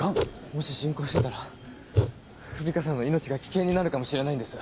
もし進行してたら文香さんの命が危険になるかもしれないんです。